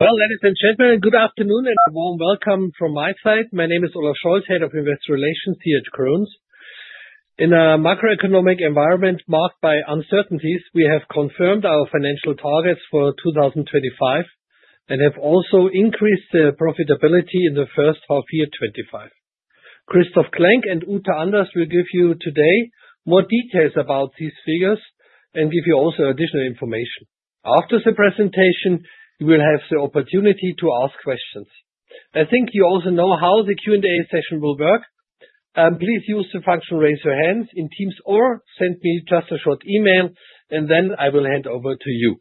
Ladies and gentlemen, good afternoon and a warm welcome from my side. My name is Olaf Scholz, Head of Investor Relations here at Krones. In a macroeconomic environment marked by uncertainties, we have confirmed our financial targets for 2025 and have also increased the profitability in the first half of year 2025. Christoph Klenk and Uta Anders will give you today more details about these figures and give you also additional information. After the presentation, you will have the opportunity to ask questions. I think you also know how the Q&A session will work. Please use the function raise your hand in Teams or send me just a short email, and then I will hand over to you.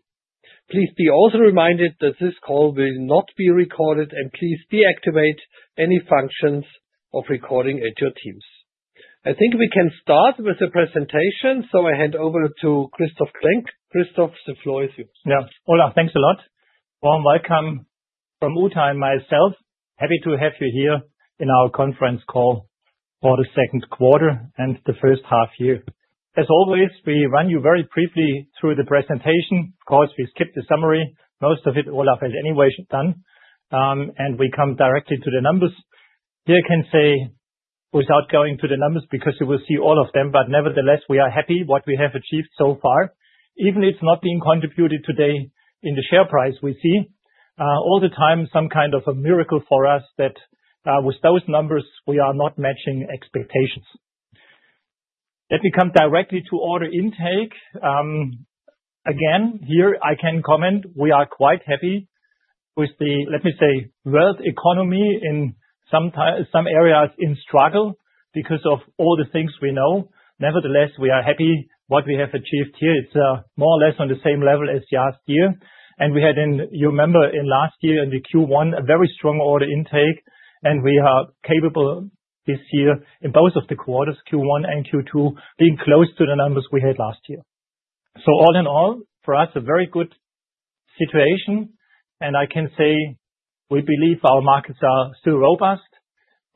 Please be also reminded that this call will not be recorded, and please deactivate any functions of recording at your Teams. I think we can start with the presentation, so I hand over to Christoph Klenk. Christoph, the floor is yours. Yeah. Olaf, thanks a lot. Warm welcome from Uta and myself. Happy to have you here in our conference call for the second quarter and the first half here. As always, we run you very briefly through the presentation. Of course, we skip the summary. Most of it, Olaf has anyway done, and we come directly to the numbers. Here I can say without going to the numbers because you will see all of them, but nevertheless, we are happy with what we have achieved so far. Even if it's not being contributed today in the share price, we see all the time some kind of a miracle for us that, with those numbers, we are not matching expectations. Let me come directly to all the intake. Again, here I can comment, we are quite happy with the, let me say, world economy in sometimes some areas in struggle because of all the things we know. Nevertheless, we are happy with what we have achieved here. It's more or less on the same level as last year. You remember, in last year in Q1, a very strong order intake, and we are capable this year in both of the quarters, Q1 and Q2, being close to the numbers we had last year. All in all, for us, a very good situation, and I can say we believe our markets are still robust.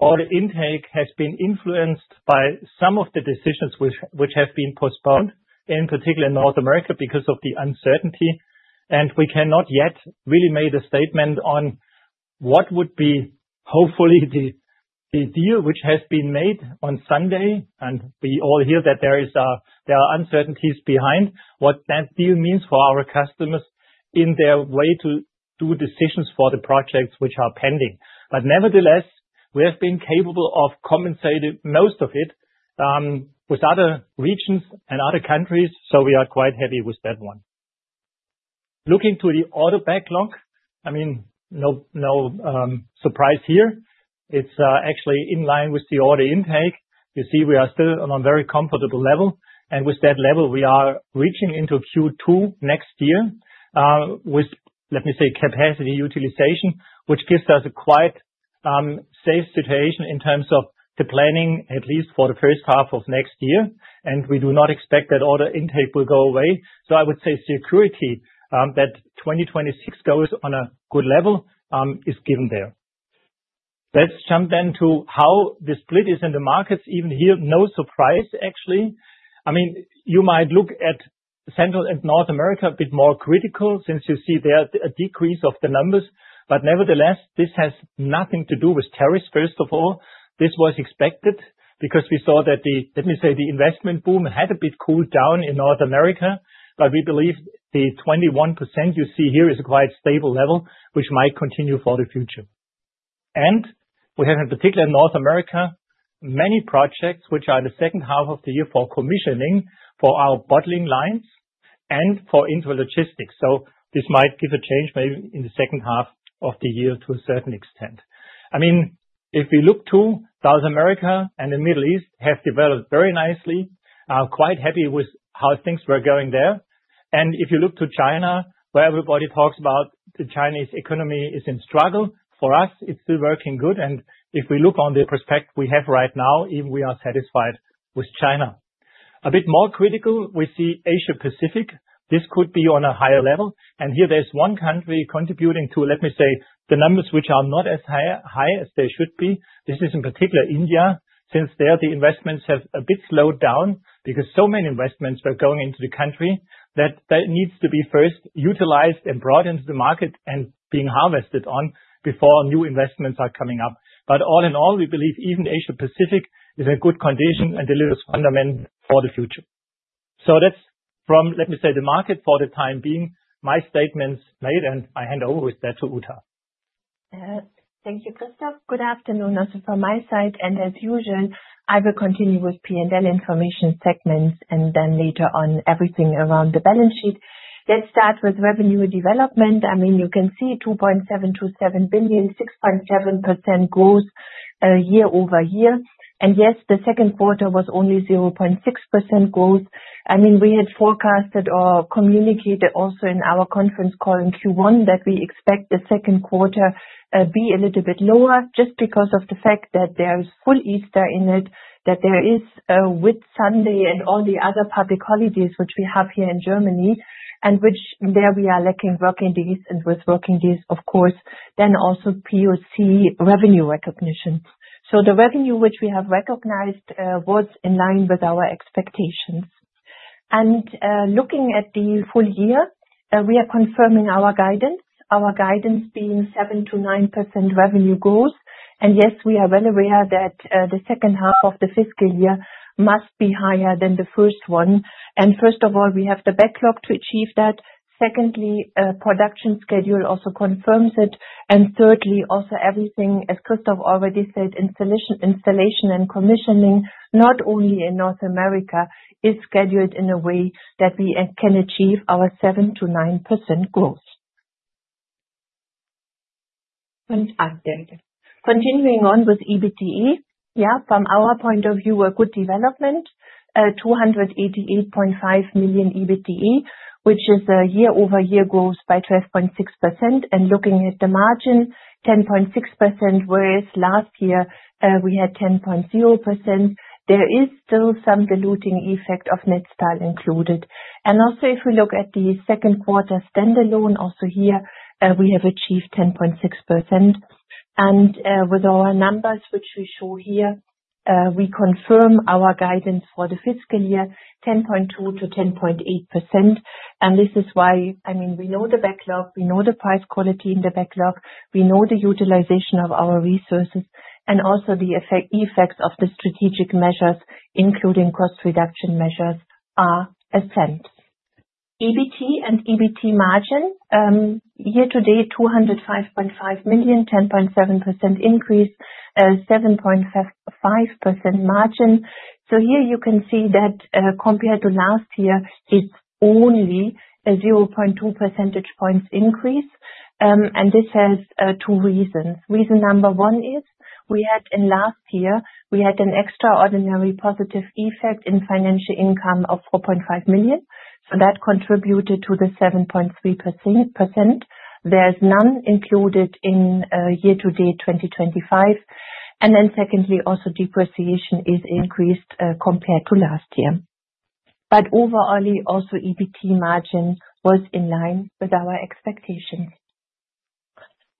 All the intake has been influenced by some of the decisions which have been postponed, in particular in North America because of the uncertainty, and we cannot yet really make a statement on what would be hopefully the deal which has been made on Sunday. We all hear that there are uncertainties behind what that deal means for our customers in their way to do decisions for the projects which are pending. Nevertheless, we have been capable of compensating most of it with other regions and other countries, so we are quite happy with that one. Looking to the order backlog, no surprise here. It's actually in line with the order intake. You see, we are still on a very comfortable level, and with that level, we are reaching into Q2 next year, with, let me say, capacity utilization, which gives us a quite safe situation in terms of the planning at least for the first half of next year. We do not expect that all the intake will go away. I would say security, that 2026 goes on a good level, is given there. Let's jump then to how the split is in the markets. Even here, no surprise, actually. You might look at Central and North America a bit more critical since you see there a decrease of the numbers. Nevertheless, this has nothing to do with tariffs, first of all. This was expected because we saw that the, let me say, the investment boom had a bit cooled down in North America, but we believe the 21% you see here is a quite stable level, which might continue for the future. We have in particular in North America many projects which are in the second half of the year for commissioning for our bottling lines and for intralogistics. This might give a change maybe in the second half of the year to a certain extent. If we look to South America and the Middle East, it has developed very nicely. I'm quite happy with how things were going there. If you look to China, where everybody talks about the Chinese economy is in struggle, for us, it's still working good. If we look on the prospect we have right now, even we are satisfied with China. A bit more critical, we see Asia-Pacific. This could be on a higher level. Here there's one country contributing to, let me say, the numbers which are not as high as they should be. This is in particular India, since there the investments have a bit slowed down because so many investments were going into the country that that needs to be first utilized and brought into the market and being harvested on before new investments are coming up. All in all, we believe even Asia-Pacific is in good condition and delivers fundamental for the future. That's from, let me say, the market for the time being, my statements made, and I hand over with that to Uta. Thank you, Christoph. Good afternoon also from my side. As usual, I will continue with P&L information segments and then later on everything around the balance sheet. Let's start with revenue development. You can see 2.727 billion, 6.7% growth year-over-year. The second quarter was only 0.6% growth. We had forecasted or communicated also in our conference call in Q1 that we expect the second quarter to be a little bit lower just because of the fact that there is full Easter in it, that there is a Whit Sunday and all the other public holidays which we have here in Germany, and which there we are lacking working days and with working days, of course, then also POC revenue recognition. The revenue which we have recognized was in line with our expectations. Looking at the full year, we are confirming our guidance, our guidance being 7%-9% revenue growth. We are well aware that the second half of the fiscal year must be higher than the first one. First of all, we have the backlog to achieve that. Secondly, production schedule also confirms it. Thirdly, also everything, as Christoph already said, installation and commissioning, not only in North America, is scheduled in a way that we can achieve our 7%-9% growth. Fantastic. Continuing on with EBITDA, from our point of view, a good development, 288.5 million EBITDA, which is a year-over-year growth by 12.6%. Looking at the margin, 10.6% whereas last year, we had 10.0%. There is still some diluting effect of Netstal included. Also, if we look at the second quarter standalone, also here, we have achieved 10.6%. With our numbers, which we show here, we confirm our guidance for the fiscal year, 10.2%-10.8%. This is why we know the backlog, we know the price quality in the backlog, we know the utilization of our resources, and also the effects of the strategic measures, including cost reduction measures, are ascent. EBITDA and EBITDA margin, year to date, 205.5 million, 10.7% increase, 7.5% margin. Here you can see that, compared to last year, it's only a 0.2 percentage points increase. This has two reasons. Reason number one is we had in last year, we had an extraordinary positive effect in financial income of 4.5 million. That contributed to the 7.3%. There's none included in year to date 2025. Secondly, also depreciation is increased, compared to last year. But overall, also EBITDA margin was in line with our expectations.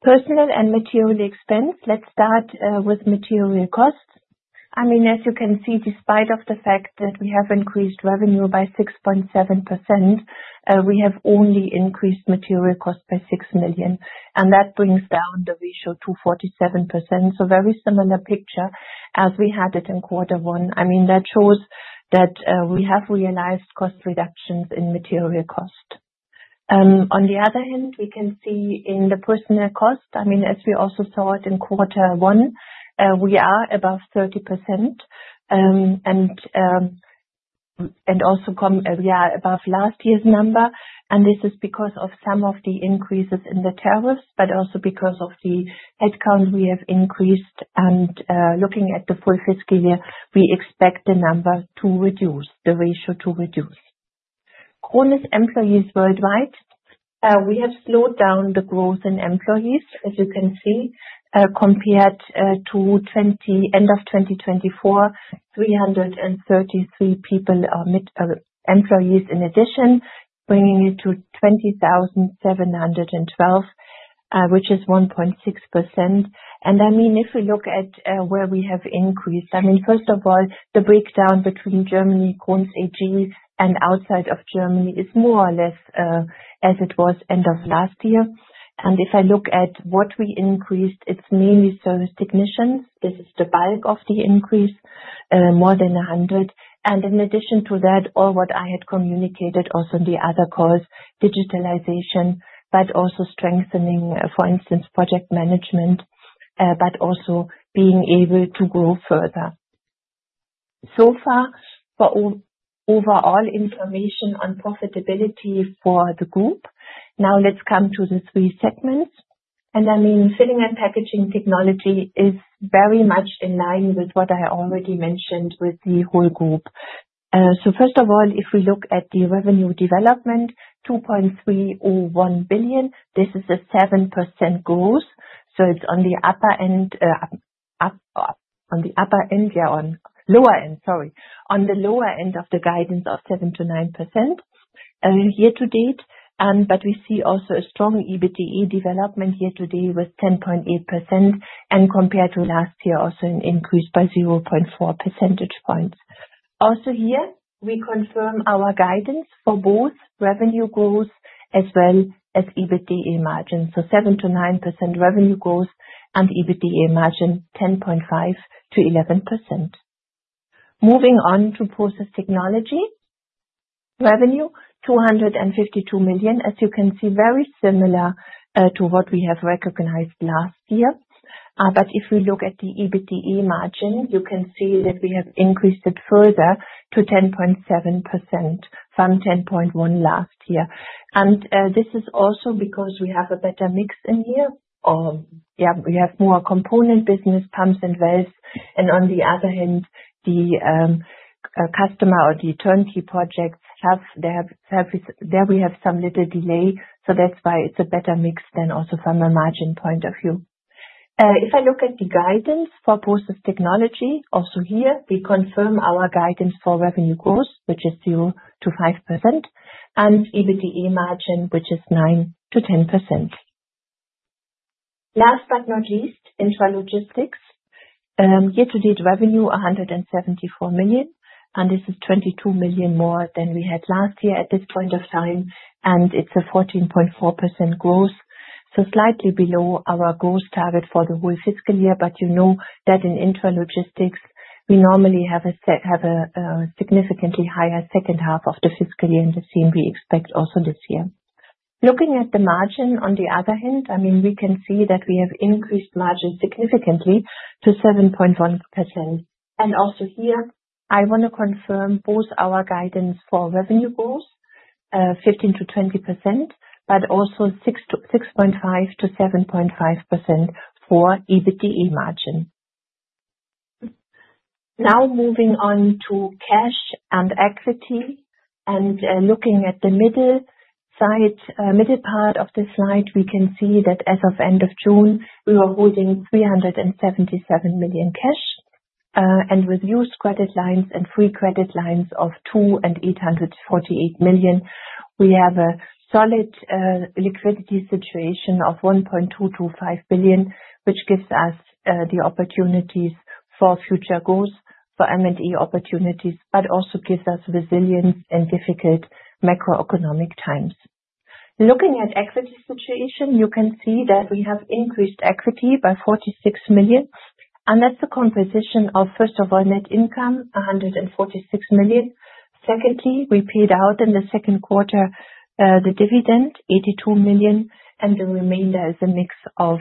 Personnel and material expense, let's start with material costs. I mean, as you can see, despite the fact that we have increased revenue by 6.7%, we have only increased material costs by 6 million. That brings down the ratio to 47%. A very similar picture as we had in quarter one. That shows that we have realized cost reductions in material cost. On the other hand, we can see in the personnel cost, as we also saw in quarter one, we are above 30%, and we are above last year's number. This is because of some of the increases in the tariffs, but also because of the headcount we have increased. Looking at the full fiscal year, we expect the number to reduce, the ratio to reduce. Krones employees worldwide, we have slowed down the growth in employees, as you can see, compared to end of 2024, 333 people are employees in addition, bringing it to 20,712, which is 1.6%. If we look at where we have increased, first of all, the breakdown between Germany, Krones AG, and outside of Germany is more or less as it was end of last year. If I look at what we increased, it's mainly service technicians. This is the bulk of the increase, more than 100. In addition to that, all what I had communicated also in the other calls, digitalization, but also strengthening, for instance, project management, but also being able to go further. So far, for overall information on profitability for the group. Now let's come to the three segments. Filling and packaging technology is very much in line with what I already mentioned with the whole group. First of all, if we look at the revenue development, 2.301 billion, this is a 7% growth. It's on the lower end of the guidance of 7%-9% year to date. We see also a strong EBITDA development year to date with 10.8%. Compared to last year, also an increase by 0.4 percentage points. Also here, we confirm our guidance for both revenue growth as well as EBITDA margin. So 7%-9% revenue growth and EBITDA margin 10.5%-11%. Moving on to process technology, revenue 252 million. As you can see, very similar to what we have recognized last year. If we look at the EBITDA margin, you can see that we have increased it further to 10.7% from 10.1% last year. This is also because we have a better mix in here. Yeah, we have more component business, pumps and valves. On the other hand, the customer or the turnkey projects have there, we have some little delay. That's why it's a better mix than also from a margin point of view. If I look at the guidance for process technology, also here, we confirm our guidance for revenue growth, which is 0%-5%, and EBITDA margin, which is 9%-10%. Last but not least, intralogistics, year to date revenue 174 million. This is 22 million more than we had last year at this point of time, and it's a 14.4% growth. Slightly below our growth target for the whole fiscal year, but you know that in intralogistics, we normally have a significantly higher second half of the fiscal year and the same we expect also this year. Looking at the margin on the other hand, we can see that we have increased margin significantly to 7.1%. Also here, I want to confirm both our guidance for revenue growth, 15%-20%, but also 6.5%-7.5% for EBITDA margin. Now moving on to cash and equity. Looking at the middle part of the slide, we can see that as of end of June, we were holding 377 million cash. With used credit lines and free credit lines of 2 million and 848 million, we have a solid liquidity situation of 1.225 billion, which gives us the opportunities for future growth for M&A opportunities, but also gives us resilience in difficult macroeconomic times. Looking at the equity situation, you can see that we have increased equity by 46 million. That's a composition of, first of all, net income, 146 million. Secondly, we paid out in the second quarter the dividend, 82 million, and the remainder is a mix of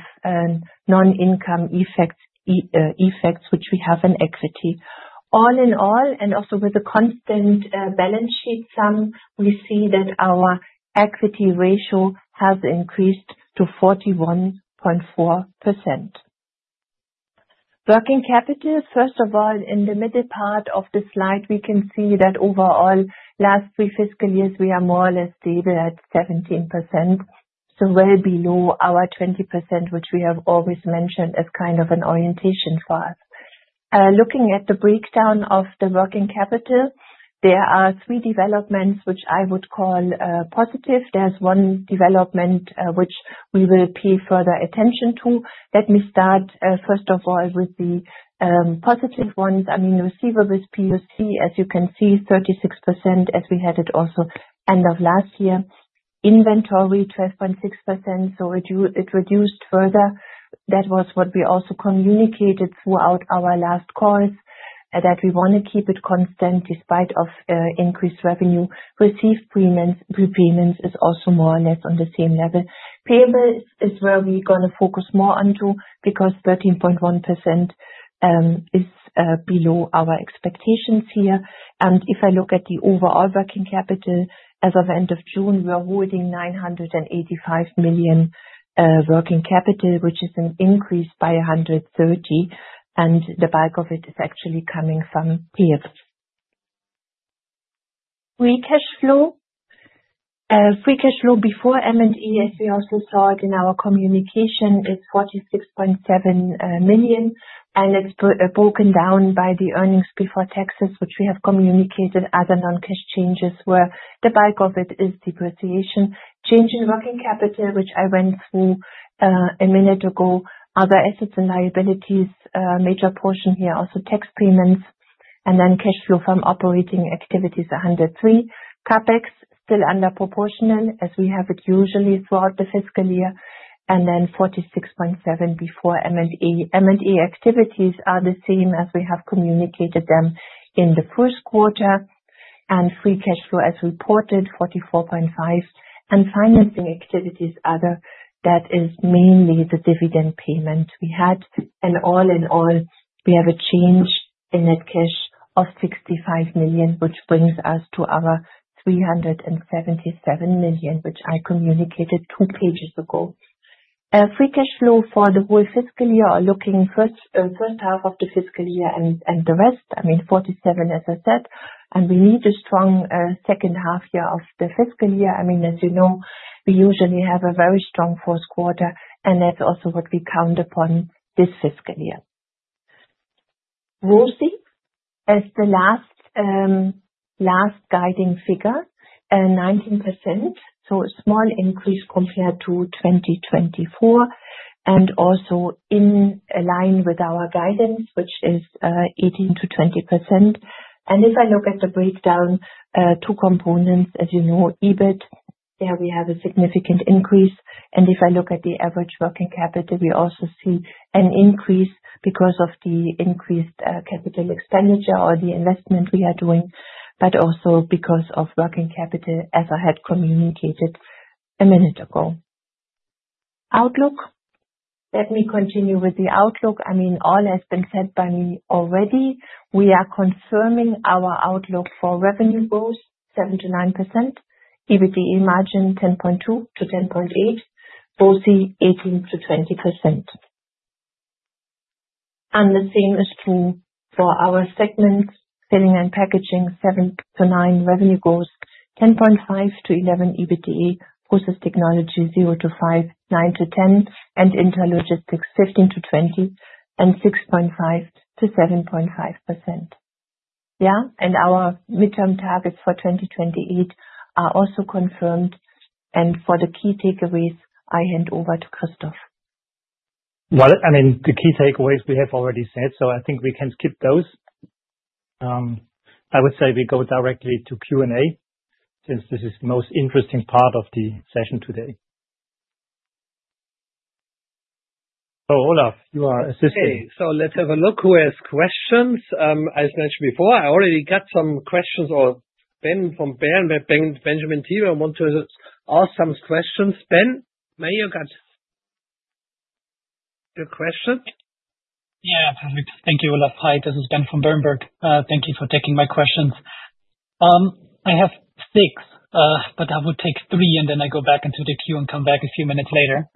non-income effects, which we have in equity. All in all, and also with the constant balance sheet sum, we see that our equity ratio has increased to 41.4%. Working capital, first of all, in the middle part of the slide, we can see that overall, last three fiscal years, we are more or less stable at 17%. Well below our 20%, which we have always mentioned as kind of an orientation for us. Looking at the breakdown of the working capital, there are three developments which I would call positive. There's one development which we will pay further attention to. Let me start, first of all, with the positive ones. Receivables, POC, as you can see, 36% as we had it also end of last year. Inventory 12.6%. It reduced further. That was what we also communicated throughout our last calls, that we want to keep it constant despite increased revenue. Received prepayments is also more or less on the same level. Payable is where we're going to focus more because 13.1% is below our expectations here. If I look at the overall working capital, as of end of June, we are holding 985 million working capital, which is an increase by 130 million. The bulk of it is actually coming from payable. Free cash flow before M&A, as we also saw it in our communication, is 46.7 million. It's broken down by the earnings before taxes, which we have communicated, other non-cash changes where the bulk of it is depreciation, change in working capital, which I went through a minute ago, other assets and liabilities, major portion here, also tax payments. Cash flow from operating activities 103 million. CapEx still under proportional, as we have it usually throughout the fiscal year. 46.7 million before M&A. M&A activities are the same as we have communicated them in the first quarter. Free cash flow as reported, 44.5 million. Financing activities are mainly the dividend payment we had. All in all, we have a change in net cash of 65 million, which brings us to our 377 million, which I communicated two pages ago. Free cash flow for the whole fiscal year, looking first half of the fiscal year and the rest. I mean, 47 million, as I said. We need a strong second half here of the fiscal year. As you know, we usually have a very strong first quarter, and that's also what we count upon this fiscal year. Grossing as the last guiding figure, 19%. A small increase compared to 2024 and also in line with our guidance, which is 18%-20%. If I look at the breakdown, two components, as you know, EBIT, there we have a significant increase. If I look at the average working capital, we also see an increase because of the increased capital expenditure or the investment we are doing, but also because of working capital, as I had communicated a minute ago. Outlook. Let me continue with the outlook. All has been said by me already. We are confirming our outlook for revenue growth, 7%-9%. EBITDA margin, 10.2%-10.8%. Grossing, 18%-20%. The same is true for our segments: filling and packaging, 7%-9% revenue growth, 10.5%-11% EBITDA; process technology, 0%-5%, 9%-10%; and intralogistics, 15%-20%, and 6.5%-7.5%. Our midterm targets for 2028 are also confirmed. For the key takeaways, I hand over to Christoph. The key takeaways we have already said, so I think we can skip those. I would say we go directly to Q&A since this is the most interesting part of the session today. Oh, Olaf, you are assisting. Okay. Let's have a look who has questions. As mentioned before, I already got some questions for Ben from Berenberg. Benjamin Thielmann wanted to ask some questions. Ben, maybe you got your question? Yeah, perfect. Thank you, Olaf. Hi, this is Ben from Berenberg. Thank you for taking my questions. I have six, but I would take three, and then I go back into the queue and come back a few minutes later.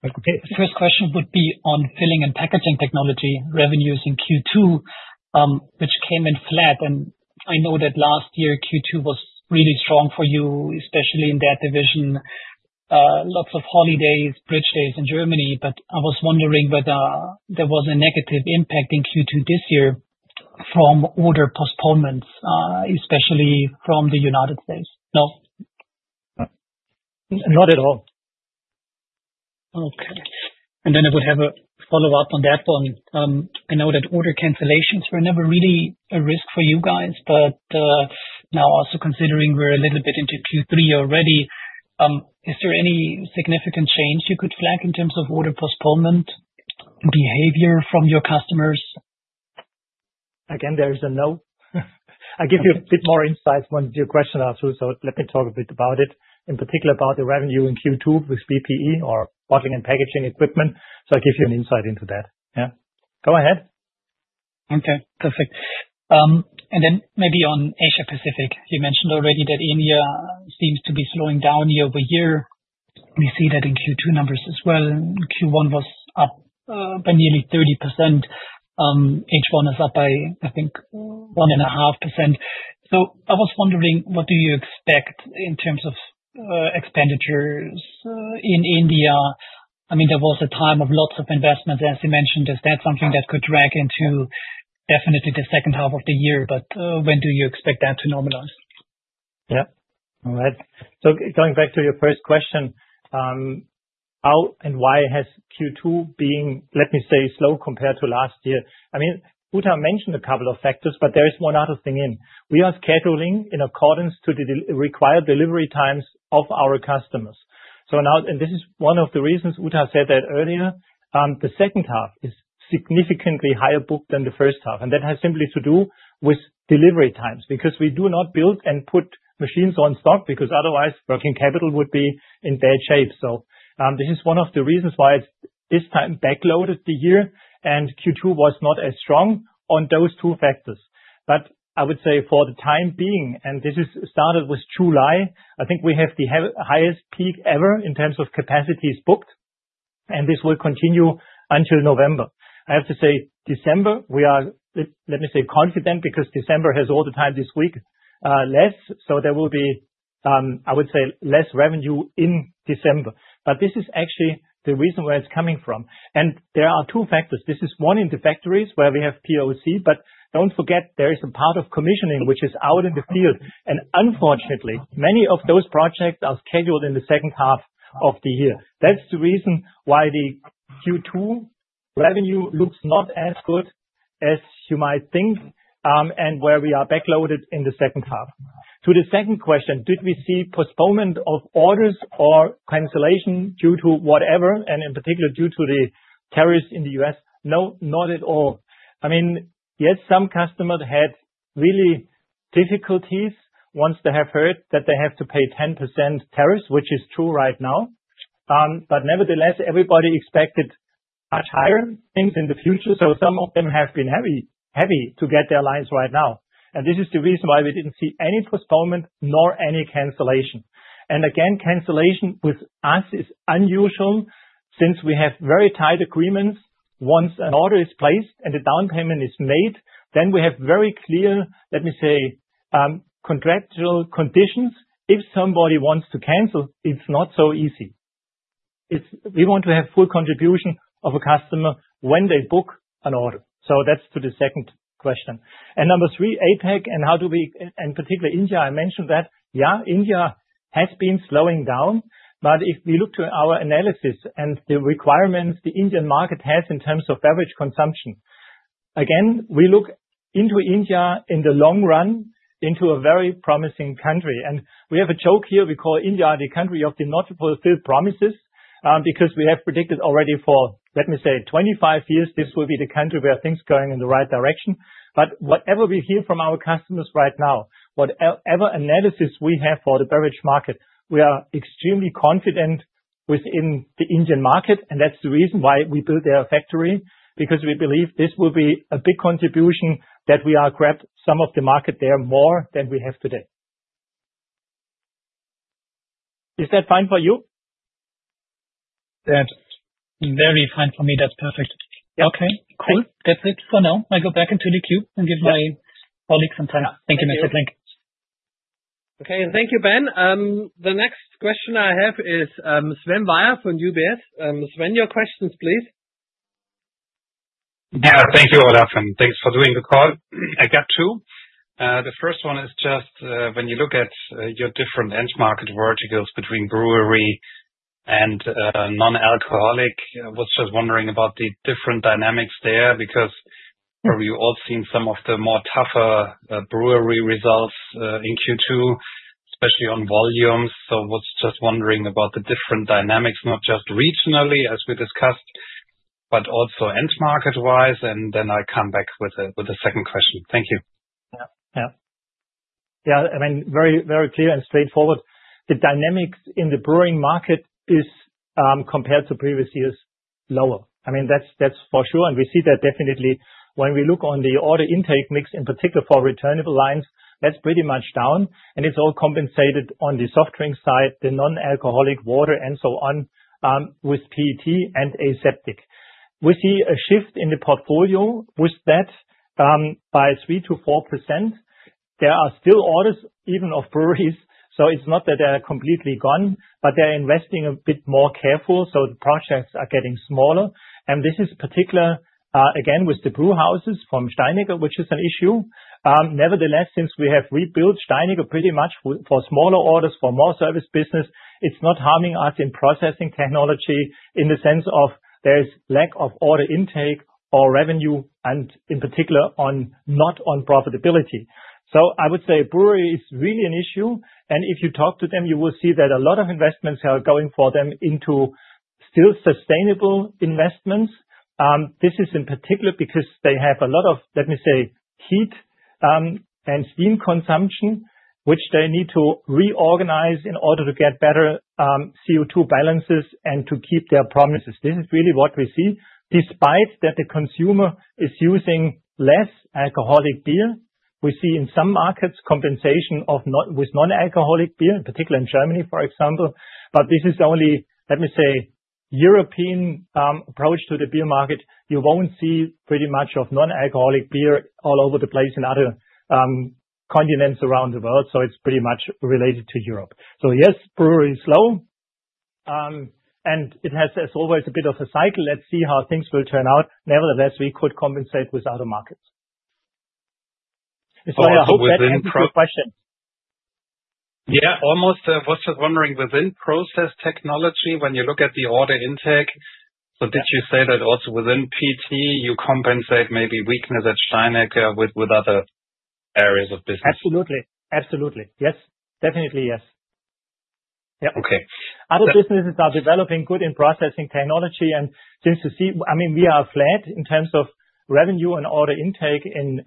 The first question would be on filling and packaging technology revenues in Q2, which came in flat. I know that last year, Q2 was really strong for you, especially in that division. Lots of holidays, bridge days in Germany. I was wondering whether there was a negative impact in Q2 this year from order postponements, especially from the United States. No, not at all. Okay. I would have a follow-up on that one. I know that order cancellations were never really a risk for you guys, but now also considering we're a little bit into Q3 already, is there any significant change you could flag in terms of order postponement behavior from your customers? Again, there is a no. I'll give you a bit more insight when your questions are through. Let me talk a bit about it, in particular about the revenue in Q2 with bottling and packaging equipment. I'll give you an insight into that. Yeah, go ahead. Okay. Perfect. Then maybe on Asia-Pacific, you mentioned already that India seems to be slowing down year-over-year. We see that in Q2 numbers as well. Q1 was up by nearly 30%. H1 is up by, I think, 1.5%. I was wondering, what do you expect in terms of expenditures in India? I mean, there was a time of lots of investments, as you mentioned. Is that something that could drag into definitely the second half of the year? When do you expect that to normalize? Yeah. All right. Going back to your first question, how and why has Q2 been, let me say, slow compared to last year? Uta mentioned a couple of factors, but there is one other thing in. We are scheduling in accordance to the required delivery times of our customers. This is one of the reasons Uta said that earlier, the second half is significantly higher booked than the first half. That has simply to do with delivery times because we do not build and put machines on stock because otherwise, working capital would be in bad shape. This is one of the reasons why it's this time backloaded the year, and Q2 was not as strong on those two factors. I would say for the time being, and this started with July, I think we have the highest peak ever in terms of capacities booked. This will continue until November. I have to say, December, we are, let me say, confident because December has all the time this week, less. There will be, I would say, less revenue in December. This is actually the reason where it's coming from. There are two factors. This is one in the factories where we have POC, but don't forget, there is a part of commissioning which is out in the field. Unfortunately, many of those projects are scheduled in the second half of the year. That's the reason why the Q2 revenue looks not as good as you might think, and where we are backloaded in the second half. To the second question, did we see postponement of orders or cancellation due to whatever, and in particular, due to the tariffs in the U.S.? No, not at all. Some customers had really difficulties once they have heard that they have to pay 10% tariffs, which is true right now, but nevertheless, everybody expected much higher things in the future. Some of them have been heavy, heavy to get their lines right now. This is the reason why we didn't see any postponement nor any cancellation. Cancellation with us is unusual since we have very tight agreements. Once an order is placed and the down payment is made, then we have very clear, let me say, contractual conditions. If somebody wants to cancel, it's not so easy. We want to have full contribution of a customer when they book an order. That's to the second question. Number three, APAC, and how do we, and particularly India, I mentioned that, yeah, India has been slowing down. If we look to our analysis and the requirements the Indian market has in terms of average consumption, again, we look into India in the long run as a very promising country. We have a joke here. We call India the country of the multiple filled promises because we have predicted already for, let me say, 25 years, this will be the country where things are going in the right direction. Whatever we hear from our customers right now, whatever analysis we have for the beverage market, we are extremely confident within the Indian market. That's the reason why we built their factory because we believe this will be a big contribution that we are grabbing some of the market there more than we have today. Is that fine for you? Very fine for me. That's perfect. Yeah. Okay. Cool. That's it for now. I go back into the queue and give my colleague some time. Thank you, Mr. Klenk. Okay. Thank you, Ben. The next question I have is Sven Weier from UBS. Sven, your questions, please. Thank you, Olaf. Thanks for doing the call. I got two. The first one is just when you look at your different benchmarking verticals between brewery and non-alcoholic, I was just wondering about the different dynamics there because you've all seen some of the more tougher brewery results in Q2, especially on volumes. I was just wondering about the different dynamics, not just regionally, as we discussed, but also end-market-wise. I come back with a second question. Thank you. Yeah. I mean, very, very clear and straightforward. The dynamics in the brewing market are compared to previous years lower. I mean, that's for sure. We see that definitely when we look on the order intake mix, in particular for returnable lines, that's pretty much down. It's all compensated on the soft drink side, the non-alcoholic water, and so on, with PET and aseptic. We see a shift in the portfolio with that, by 3%-4%. There are still orders even of breweries. It's not that they're completely gone, but they're investing a bit more carefully. The projects are getting smaller. This is particular, again, with the brewhouses from Steinecker, which is an issue. Nevertheless, since we have rebuilt Steinecker pretty much for smaller orders for more service business, it's not harming us in process technology in the sense of there's lack of order intake or revenue and in particular not on profitability. I would say brewery is really an issue. If you talk to them, you will see that a lot of investments are going for them into still sustainable investments. This is in particular because they have a lot of, let me say, heat and steam consumption, which they need to reorganize in order to get better CO2 balances and to keep their promises. This is really what we see. Despite that the consumer is using less alcoholic beer, we see in some markets compensation of not with non-alcoholic beer, in particular in Germany, for example. This is only, let me say, a European approach to the beer market. You won't see pretty much of non-alcoholic beer all over the place in other continents around the world. It's pretty much related to Europe. Yes, brewery is slow, and it has, as always, a bit of a cycle. Let's see how things will turn out. Nevertheless, we could compensate with other markets. I hope that answers your question. I was just wondering, within process technology, when you look at the order intake, did you say that also within process technology, you compensate maybe weakness at Steinecker with other areas of business? Absolutely. Yes. Definitely, yes. Yeah. Okay. Other businesses are developing good in process technology. You see, I mean, we are flat in terms of revenue and order intake in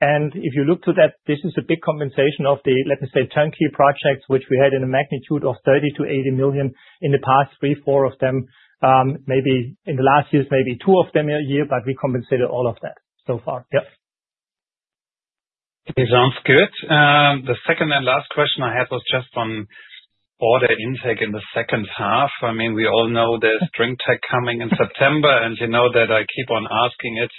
process. If you look to that, this is a big compensation of the, let me say, turnkey projects, which we had in a magnitude of 30 million-80 million in the past, three, four of them, maybe in the last years, maybe two of them a year, but we compensated all of that so far. Yeah. It sounds good. The second and last question I had was just on order intake in the second half. I mean, we all know there's drinktec coming in September, and you know that I keep on asking it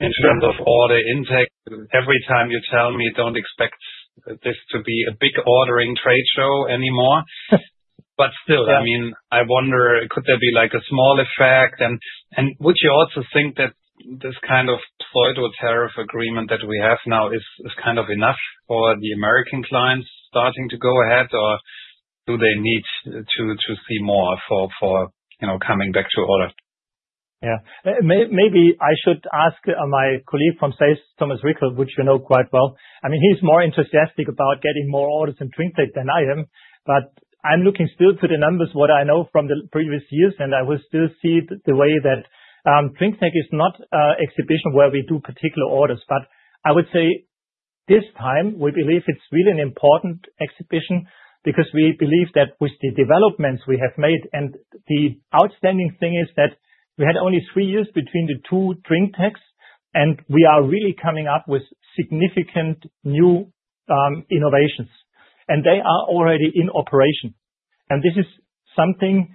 in terms of order intake. Every time you tell me, don't expect this to be a big ordering trade show anymore. Still, I mean, I wonder, could there be like a small effect? Would you also think that this kind of pseudo tariff agreement that we have now is kind of enough for the American clients starting to go ahead, or do they need to see more for, you know, coming back to order? Yeah. Maybe I should ask my colleague from SAIS, Thomas Rickel, which you know quite well. I mean, he's more enthusiastic about getting more orders in drinktec than I am. I'm looking still to the numbers, what I know from the previous years, and I will still see the way that drinktec is not an exhibition where we do particular orders. I would say this time, we believe it's really an important exhibition because we believe that with the developments we have made, and the outstanding thing is that we had only three years between the two drinktecs, and we are really coming up with significant new innovations. They are already in operation. This is something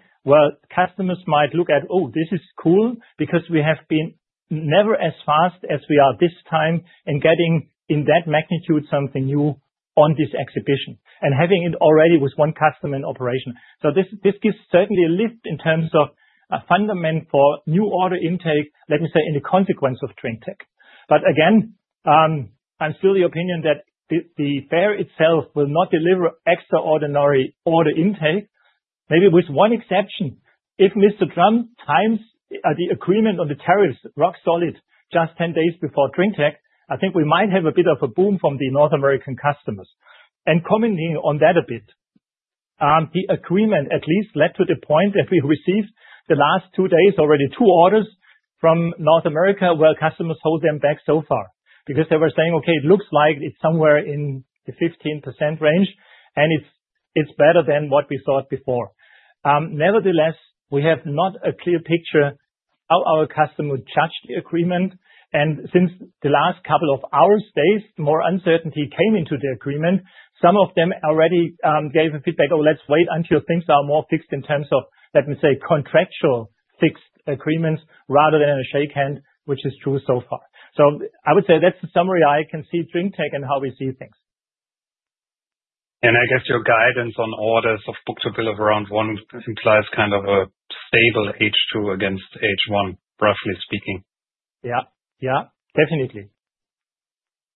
customers might look at, "Oh, this is cool because we have been never as fast as we are this time in getting in that magnitude something new on this exhibition and having it already with one customer in operation." This gives certainly a lift in terms of a fundament for new order intake, let me say, in the consequence of drinktec. Again, I'm still the opinion that the fair itself will not deliver extraordinary order intake, maybe with one exception. If Mr. Trump times the agreement on the tariffs rock solid just 10 days before drinktec, I think we might have a bit of a boom from the North American customers. Commenting on that a bit, the agreement at least led to the point that we received the last two days already two orders from North America where customers held them back so far because they were saying, "Okay, it looks like it's somewhere in the 15% range, and it's better than what we thought before." Nevertheless, we have not a clear picture of how our customer judged the agreement. Since the last couple of hours, days, more uncertainty came into the agreement, some of them already gave a feedback, "Oh, let's wait until things are more fixed in terms of, let me say, contractual fixed agreements rather than a shake hand," which is true so far. I would say that's the summary I can see drinktec and how we see things. I guess your guidance on orders of book-to-bill of around one implies kind of a stable H2 against H1, roughly speaking. Yeah, yeah. Definitely.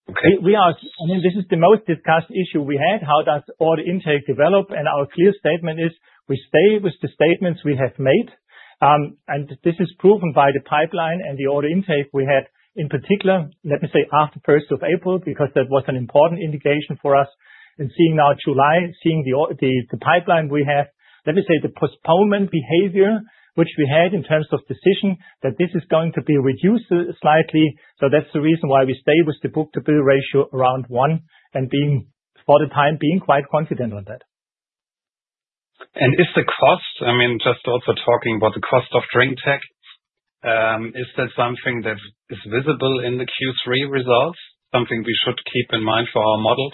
Okay. This is the most discussed issue we had. How does order intake develop? Our clear statement is we stay with the statements we have made, and this is proven by the pipeline and the order intake we had in particular, let me say, after 1st of April because that was an important indication for us. Seeing now July, seeing the pipeline we have, let me say the postponement behavior, which we had in terms of decision, that this is going to be reduced slightly. That's the reason why we stay with the book-to-bill ratio around one and being for the time being quite confident on that. Is the cost, I mean, just also talking about the cost of drinktec, is that something that is visible in the Q3 results? Something we should keep in mind for our models?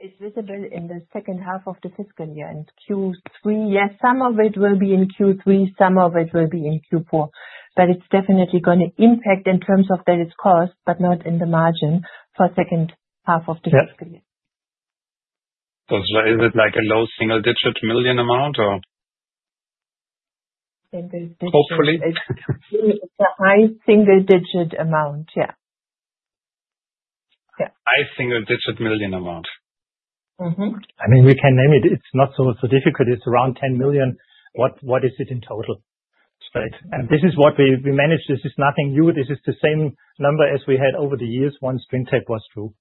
It's visible in the second half of the fiscal year in Q3. Yes, some of it will be in Q3, some of it will be in Q4. It's definitely going to impact in terms of that it's cost, but not in the margin for the second half of the fiscal year. Is it like a low single-digit million amount, or? Hopefully it's a high single-digit amount. Yeah. High single-digit million amount. I mean, we can name it. It's not so difficult. It's around 10 million. What is it in total? This is what we managed. This is nothing new. This is the same number as we had over the years once drinktec was through.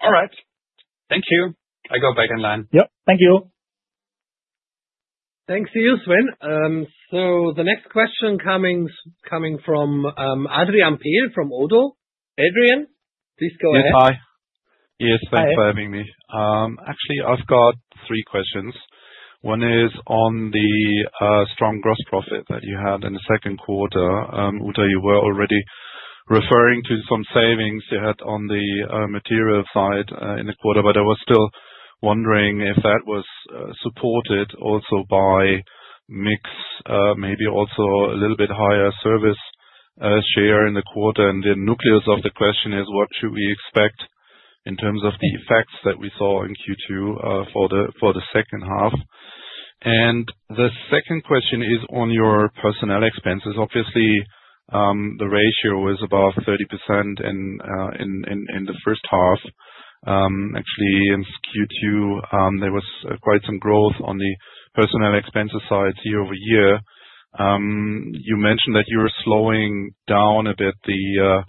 All right. Thank you. I go back in line. Thank you. Thanks. See you, Sven. The next question coming from [Adrian Peel] from Otto. Adrian, please go ahead. Hi. Yes, thanks for having me. Actually, I've got three questions. One is on the strong gross profit that you had in the second quarter. Uta, you were already referring to some savings you had on the material side in the quarter, but I was still wondering if that was supported also by a mix, maybe also a little bit higher service share in the quarter. The nucleus of the question is what should we expect in terms of the effects that we saw in Q2 for the second half. The second question is on your personnel expenses. Obviously, the ratio was above 30% in the first half. Actually, in Q2, there was quite some growth on the personnel expenses side year-over-year. You mentioned that you were slowing down a bit the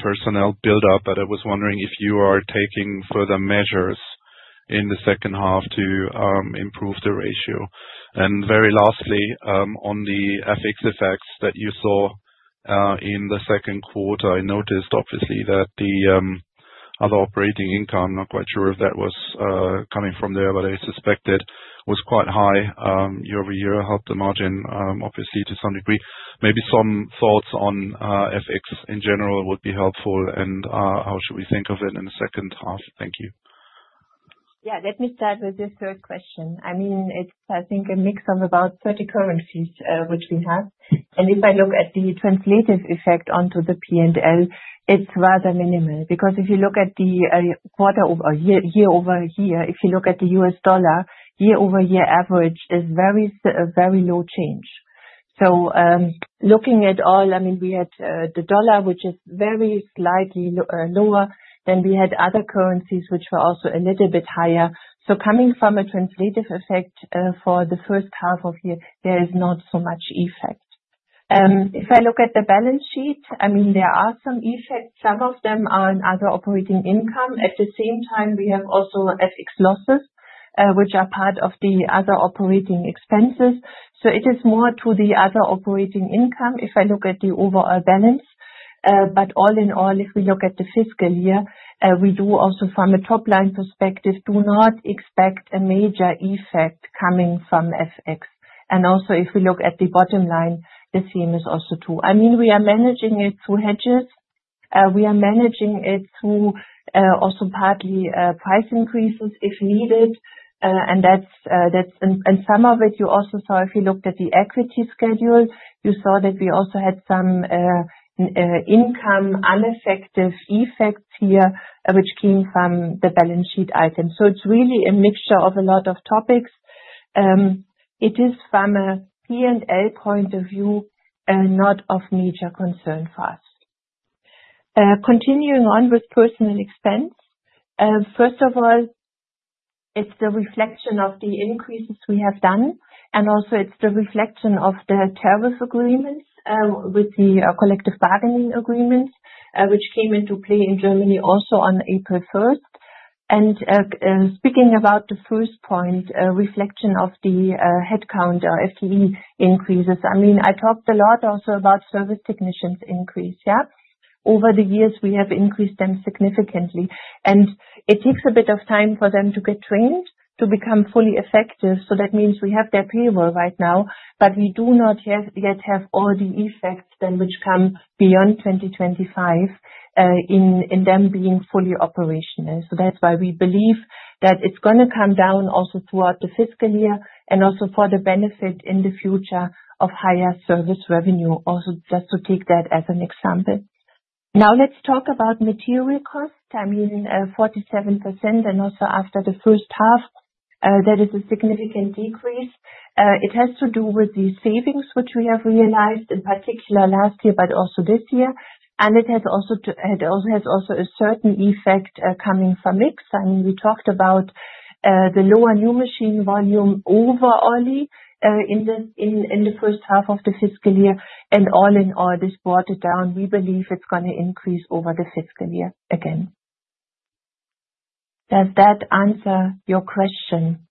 personnel buildup, but I was wondering if you are taking further measures in the second half to improve the ratio. Very lastly, on the FX effects that you saw in the second quarter, I noticed obviously that the other operating income, I'm not quite sure if that was coming from there, but I suspect it was quite high year-over-year, helped the margin obviously to some degree. Maybe some thoughts on FX in general would be helpful. How should we think of it in the second half? Thank you. Yeah. Let me start with the third question. I mean, it's, I think, a mix of about 30 currencies which we have. If I look at the translated effect onto the P&L, it's rather minimal because if you look at the quarter or year-over-year, if you look at the U.S. dollar, year-over-year average is very, very low change. Looking at all, I mean, we had the dollar, which is very slightly lower, then we had other currencies, which were also a little bit higher. Coming from a translated effect for the first half of the year, there is not so much effect. If I look at the balance sheet, I mean, there are some effects. Some of them are in other operating income. At the same time, we have also FX losses, which are part of the other operating expenses. It is more to the other operating income if I look at the overall balance. All in all, if we look at the fiscal year, we do also from a top-line perspective do not expect a major effect coming from FX. Also, if we look at the bottom line, the same is also true. I mean, we are managing it through hedges. We are managing it through also partly price increases if needed. That's in some of it you also saw if you looked at the equity schedule. You saw that we also had some income ineffective effects here, which came from the balance sheet items. It's really a mixture of a lot of topics. It is from a P&L point of view, not of major concern for us. Continuing on with personal expense. First of all, it's the reflection of the increases we have done. Also, it's the reflection of the tariff agreements, with the collective bargaining agreements, which came into play in Germany also on April 1st. Speaking about the first point, reflection of the headcount or FTE increases, I mean, I talked a lot also about service technicians' increase, yeah? Over the years, we have increased them significantly. It takes a bit of time for them to get trained to become fully effective. That means we have their payroll right now, but we do not yet have all the effects then which come beyond 2025, in them being fully operational. That's why we believe that it's going to come down also throughout the fiscal year and also for the benefit in the future of higher service revenue, also just to take that as an example. Now, let's talk about material costs. I mean, 47%. Also, after the first half, that is a significant decrease. It has to do with the savings, which we have realized in particular last year, but also this year. It has also had a certain effect coming from mix. I mean, we talked about the lower new machine volume overall in the first half of the fiscal year. All in all, this brought it down. We believe it's going to increase over the fiscal year again. Does that answer your question?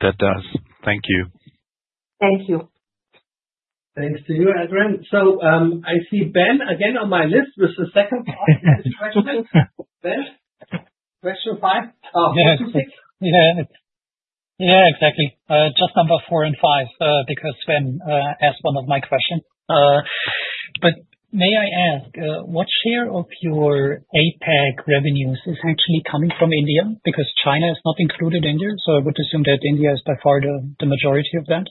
That does. Thank you. Thank you. Thank you, Adrian. I see Ben again on my list with the second part of his question. Ben, question five? Oh, question six? Yeah, exactly. Just number four and five, because Sven asked one of my questions. May I ask, what share of your APAC revenues is actually coming from India? China is not included in here. I would assume that India is by far the majority of that.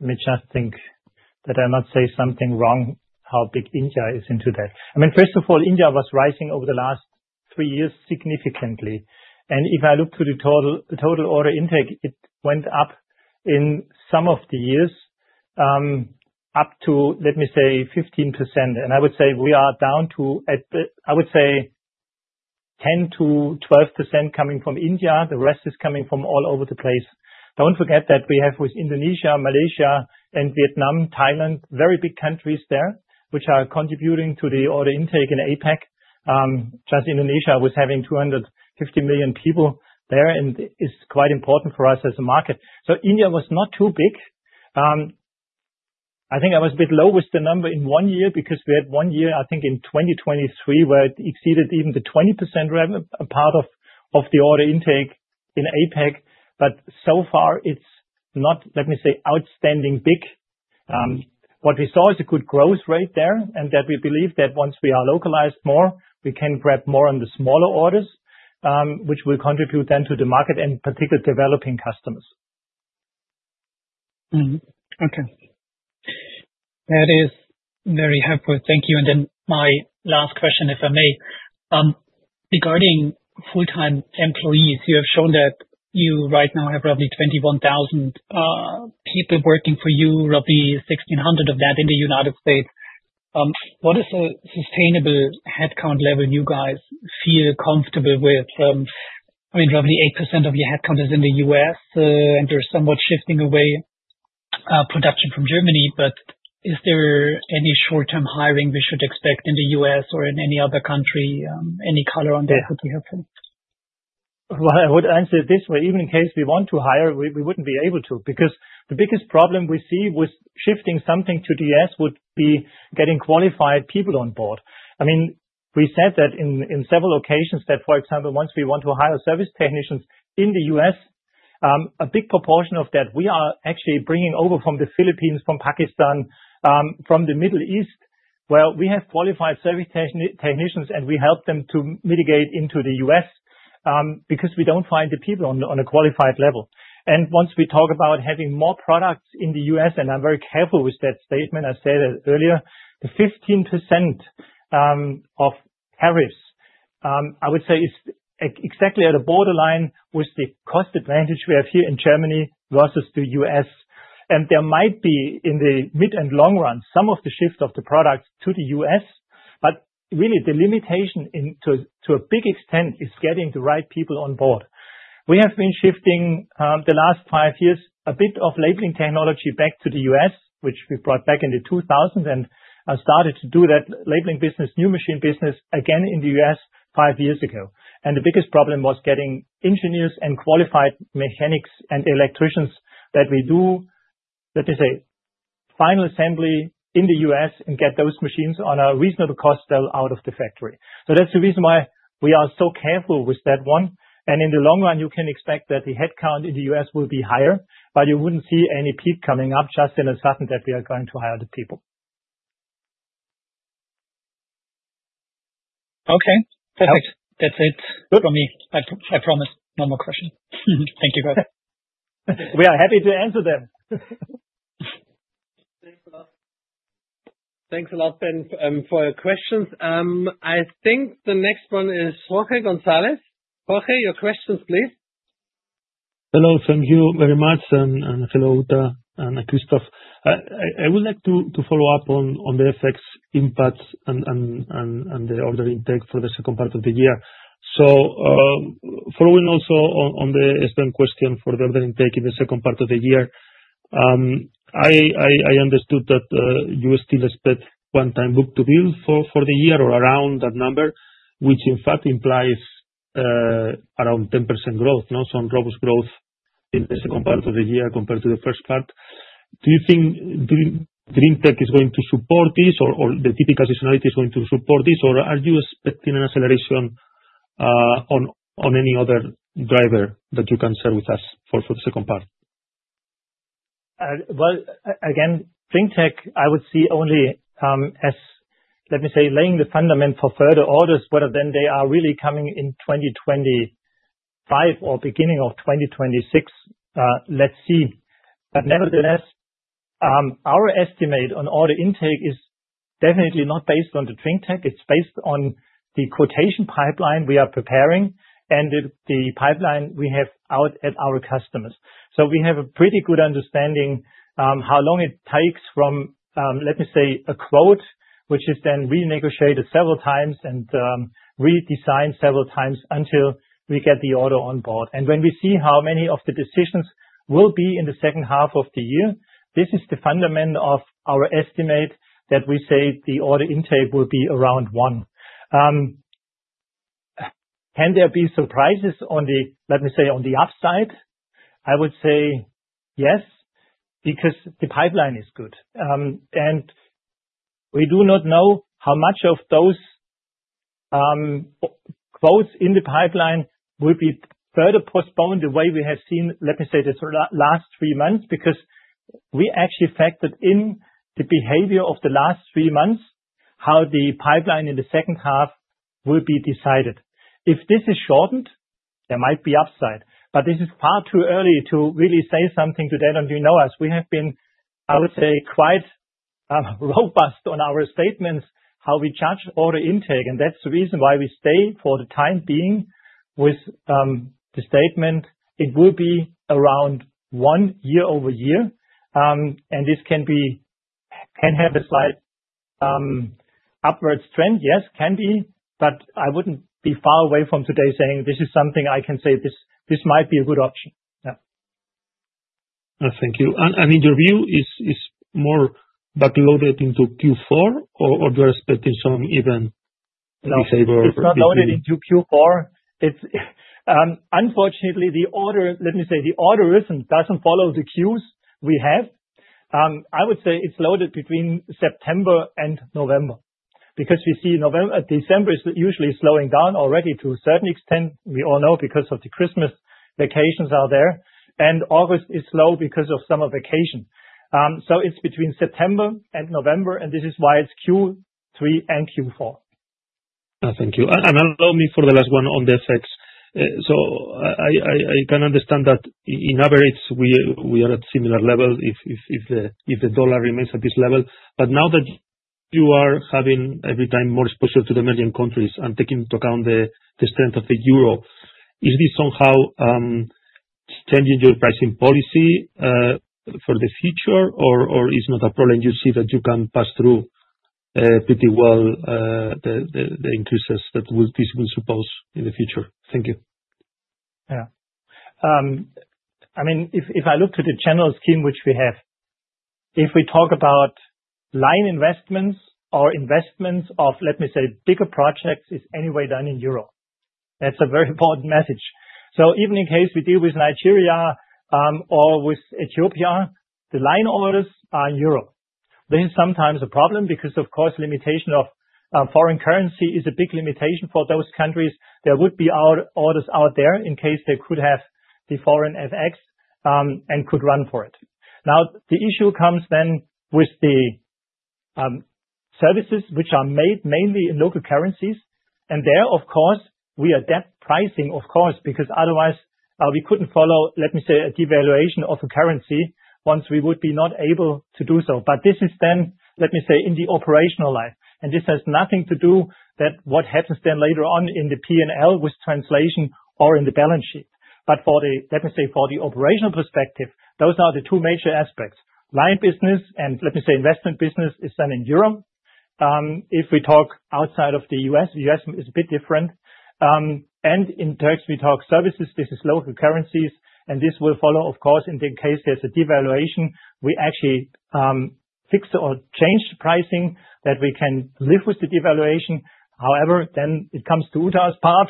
Let me just think that I might say something wrong how big India is into that. First of all, India was rising over the last three years significantly. If I look to the total order intake, it went up in some of the years, up to, let me say, 15%. I would say we are down to, at the, I would say, 10%-12% coming from India. The rest is coming from all over the place. Don't forget that we have with Indonesia, Malaysia, Vietnam, Thailand, very big countries there, which are contributing to the order intake in APAC. Just Indonesia was having 250 million people there, and it's quite important for us as a market. India was not too big. I think I was a bit low with the number in one year because we had one year, I think, in 2023 where it exceeded even the 20% part of the order intake in APAC. It is not, let me say, outstanding big. What we saw is a good growth rate there, and we believe that once we are localized more, we can grab more on the smaller orders, which will contribute then to the market and particularly developing customers. Okay. That is very helpful. Thank you. Then my last question, if I may, regarding full-time employees. You have shown that you right now have roughly 21,000 people working for you, roughly 1,600 of that in the United States. What is a sustainable headcount level you guys feel comfortable with? I mean, roughly 8% of your headcount is in the U.S., and you're somewhat shifting away production from Germany. Is there any short-term hiring we should expect in the U.S. or in any other country? Any color on that would be helpful. I would answer it this way. Even in case we want to hire, we wouldn't be able to because the biggest problem we see with shifting something to the U.S. would be getting qualified people on board. I mean, we said that on several occasions that, for example, once we want to hire service technicians in the U.S., a big proportion of that we are actually bringing over from the Philippines, from Pakistan, from the Middle East where we have qualified service technicians, and we help them to migrate into the U.S. because we don't find the people on a qualified level. Once we talk about having more products in the U.S., and I'm very careful with that statement. I said it earlier. The 15% of tariffs, I would say, is exactly at a borderline with the cost advantage we have here in Germany versus the U.S., and there might be in the mid and long run some of the shift of the products to the U.S. Really, the limitation to a big extent is getting the right people on board. We have been shifting, the last five years, a bit of labeling technology back to the U.S., which we brought back in the 2000s and started to do that labeling business, new machine business again in the U.S. five years ago. The biggest problem was getting engineers and qualified mechanics and electricians so that we do, let me say, final assembly in the U.S. and get those machines on a reasonable cost still out of the factory. That's the reason why we are so careful with that one. In the long run, you can expect that the headcount in the U.S. will be higher, but you wouldn't see any peak coming up just in a sudden that we are going to hire the people. Okay. Perfect. That's it for me. I promise no more questions. Thank you both. We are happy to answer them. Thanks a lot, Ben, for your questions. I think the next one is Jorge González. Jorge, your questions, please. Thank you very much, and hello, Uta and Christoph. I would like to follow up on the effects, impacts, and the order intake for the second part of the year. Following also on the spend question for the order intake in the second part of the year, I understood that you still expect one-time book-to-bill for the year or around that number, which in fact implies around 10% growth, no? Some robust growth in the second part of the year compared to the first part. Do you think drinktec is going to support this, or the typical seasonality is going to support this, or are you expecting an acceleration on any other driver that you can share with us for the second part? Again, drinktec, I would see only as, let me say, laying the fundament for further orders, whether then they are really coming in 2025 or beginning of 2026. Let's see. Nevertheless, our estimate on order intake is definitely not based on the drinktec. It's based on the quotation pipeline we are preparing and the pipeline we have out at our customers. We have a pretty good understanding how long it takes from, let me say, a quote, which is then renegotiated several times and redesigned several times until we get the order on board. When we see how many of the decisions will be in the second half of the year, this is the fundament of our estimate that we say the order intake will be around one. Can there be surprises on the, let me say, on the upside? I would say yes, because the pipeline is good, and we do not know how much of those quotes in the pipeline will be further postponed the way we have seen, let me say, the last three months because we actually factored in the behavior of the last three months, how the pipeline in the second half will be decided. If this is shortened, there might be upside. This is far too early to really say something to that. You know us. We have been, I would say, quite robust on our statements, how we judge order intake. That's the reason why we stay for the time being with the statement it will be around one year-over-year, and this can have a slight upwards trend. Yes, can be. I wouldn't be far away from today saying this is something I can say this might be a good option. Yeah. Thank you. I mean, your view is more backloaded into Q4, or you're expecting some even distribution? No, it's not loaded into Q4. Unfortunately, the order doesn't follow the queues we have. I would say it's loaded between September and November because we see November, December is usually slowing down already to a certain extent. We all know because of the Christmas vacations out there, and August is slow because of summer vacation, so it's between September and November. This is why it's Q3 and Q4. Thank you. Allow me for the last one on the effects. I can understand that in average, we are at a similar level if the dollar remains at this level. Now that you are having every time more exposure to the median countries and taking into account the strength of the euro, is this somehow changing your pricing policy for the future, or is not a problem you see that you can pass through pretty well, the increases that this will suppose in the future? Thank you. Yeah. If I look to the general scheme which we have, if we talk about line investments or investments of, let me say, bigger projects, it is anyway done in Europe. That's a very important message. Even in case we deal with Nigeria or with Ethiopia, the line orders are in Europe. This is sometimes a problem because, of course, the limitation of foreign currency is a big limitation for those countries. There would be orders out there in case they could have the foreign FX and could run for it. The issue comes then with the services which are made mainly in local currencies. There, of course, we adapt pricing, of course, because otherwise, we couldn't follow, let me say, a devaluation of a currency once we would be not able to do so. This is then, let me say, in the operational life. This has nothing to do with what happens then later on in the P&L with translation or in the balance sheet. For the operational perspective, those are the two major aspects. Line business and, let me say, investment business is done in Europe. If we talk outside of the U.S., the U.S. is a bit different. In terms we talk services, this is local currencies. This will follow, of course, in the case there's a devaluation, we actually fix it or change the pricing that we can live with the devaluation. However, then it comes to Uta's part.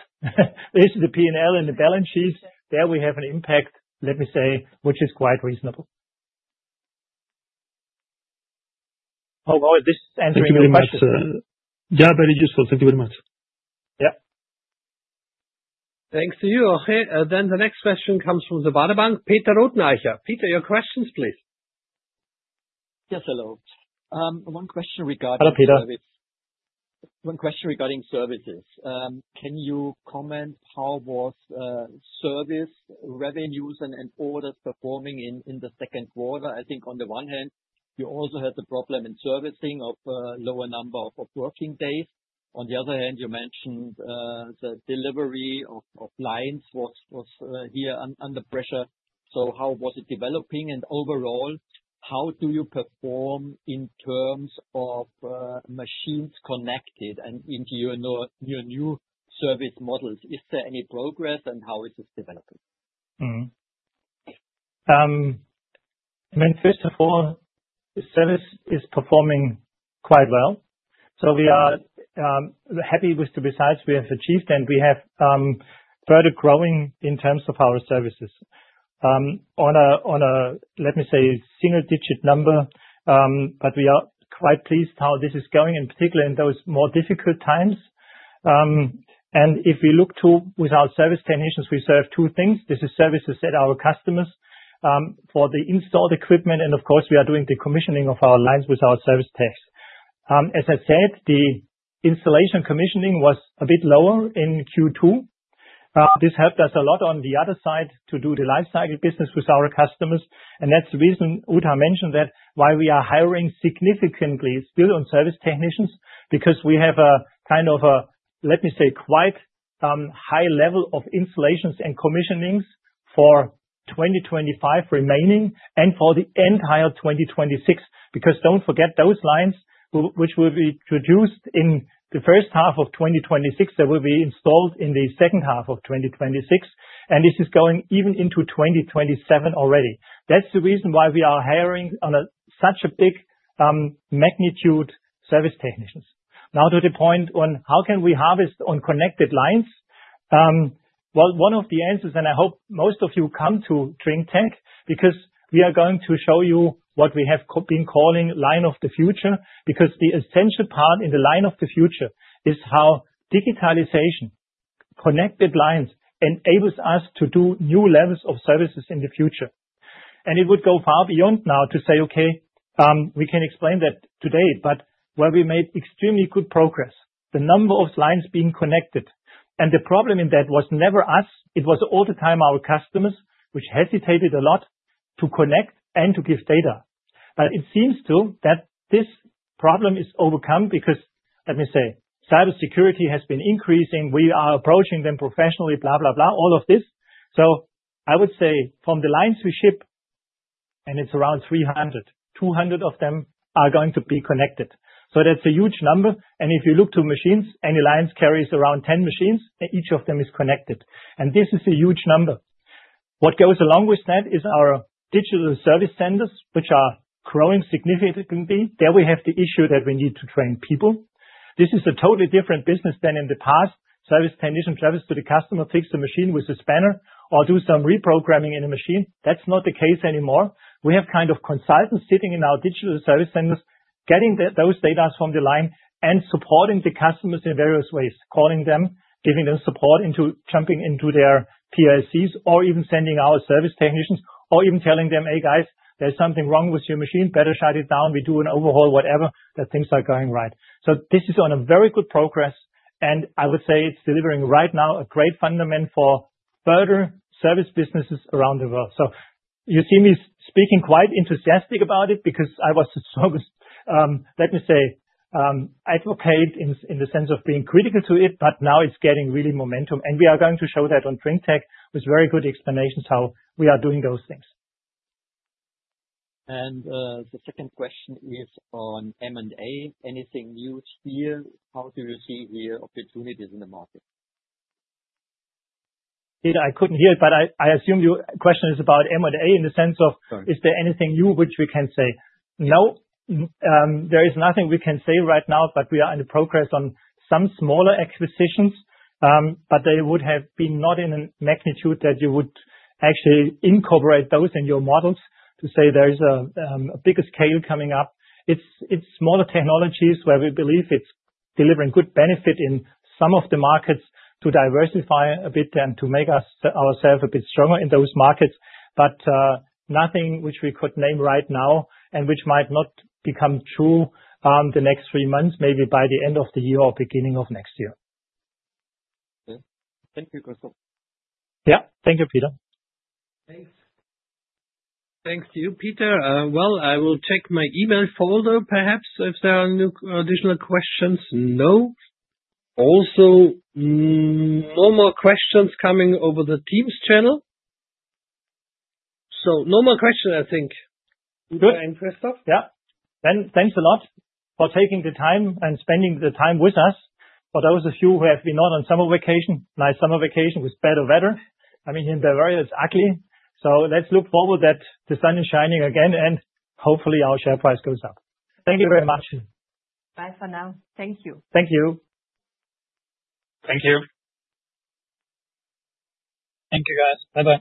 This is the P&L and the balance sheets. There we have an impact, let me say, which is quite reasonable. Hopefully, this is answering your question. Yeah, very useful. Thank you very much. Yeah. Thanks to you, Jorge. The next question comes from Baader Bank. Peter Rothenaicher. Peter, your questions, please. Yes, hello. One question regarding. Hello, Peter. One question regarding services. Can you comment how was service revenues and orders performing in the second quarter? I think on the one hand, you also had the problem in servicing of a lower number of working days. On the other hand, you mentioned the delivery of lines was here under pressure. How was it developing? Overall, how do you perform in terms of machines connected and into your new service models? Is there any progress and how is this developing? I mean, first of all, the service is performing quite well. We are happy with the results we have achieved, and we have further growing in terms of our services on a, let me say, single-digit number, but we are quite pleased how this is going, in particular in those more difficult times. If we look to our service technicians, we serve two things. This is services at our customers for the installed equipment, and of course, we are doing the commissioning of our lines with our service techs. As I said, the installation commissioning was a bit lower in Q2. This helped us a lot on the other side to do the lifecycle business with our customers. That's the reason Uta mentioned why we are hiring significantly still on service technicians, because we have a kind of a, let me say, quite high level of installations and commissionings for 2025 remaining and for the entire 2026, because don't forget those lines which will be produced in the first half of 2026, they will be installed in the second half of 2026. This is going even into 2027 already. That's the reason why we are hiring on such a big magnitude service technicians. Now to the point on how can we harvest on connected lines. One of the answers, and I hope most of you come to drinktec, because we are going to show you what we have been calling line of the future, because the essential part in the line of the future is how digitalization connected lines enables us to do new levels of services in the future. It would go far beyond now to say, "Okay, we can explain that today," but where we made extremely good progress is the number of lines being connected. The problem in that was never us. It was all the time our customers, which hesitated a lot to connect and to give data. It seems that this problem is overcome because, let me say, cybersecurity has been increasing. We are approaching them professionally, all of this. I would say from the lines we ship, and it's around 300, 200 of them are going to be connected. That's a huge number. If you look to machines, any line carries around 10 machines, and each of them is connected. This is a huge number. What goes along with that is our digital service centers, which are growing significantly. There we have the issue that we need to train people. This is a totally different business than in the past. Service technician travels to the customer, takes the machine with a spanner, or does some reprogramming in a machine. That's not the case anymore. We have kind of consultants sitting in our digital service centers, getting those data from the line and supporting the customers in various ways, calling them, giving them support, jumping into their PLCs, or even sending our service technicians, or even telling them, "Hey guys, there's something wrong with your machine. Better shut it down. We do an overhaul or whatever, that things are going right." This is on a very good progress, and I would say it's delivering right now a great fundament for further service businesses around the world. You see me speaking quite enthusiastic about it because I was a service, let me say, advocate in the sense of being critical to it, but now it's getting really momentum. We are going to show that on drinktec with very good explanations how we are doing those things. The second question is on M&A. Anything new here? How do you see the opportunities in the market? Peter, I couldn't hear it, but I assume your question is about M&A in the sense of is there anything new which we can say? No, there is nothing we can say right now, but we are in the progress on some smaller acquisitions, but they would have been not in a magnitude that you would actually incorporate those in your models to say there is a bigger scale coming up. It's smaller technologies where we believe it's delivering good benefit in some of the markets to diversify a bit and to make us ourselves a bit stronger in those markets. Nothing which we could name right now and which might not become true, the next three months, maybe by the end of the year or beginning of next year. Okay. Thank you, Christoph. Yeah, thank you, Peter. Thanks. Thanks to you, Peter. I will check my email folder, perhaps if there are new additional questions. No, also no more questions coming over the Teams channel. No more questions, I think. Good. Thanks, Christoph. Yeah. Ben, thanks a lot for taking the time and spending the time with us. For those of you who have been out on summer vacation, nice summer vacation with better weather. I mean, in Bavaria, it's ugly. Let's look forward to that. The sun is shining again, and hopefully, our share price goes up. Thank you very much. Bye for now. Thank you. Thank you. Thank you. Thank you, guys. Bye-bye.